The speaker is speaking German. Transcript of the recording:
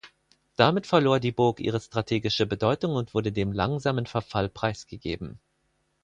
Damit verlor die Burg ihre strategische Bedeutung und wurde dem langsamen Verfall preisgegeben.